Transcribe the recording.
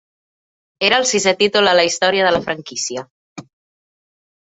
Era el sisè títol a la història de la franquícia.